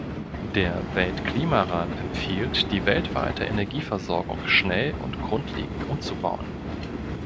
Der Weltklimarat empfiehlt, die weltweite Energieversorgung schnell und grundlegend umzubauen.